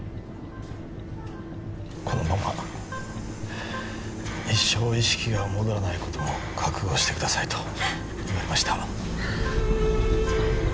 このまま一生意識が戻らないことも覚悟してくださいと言われました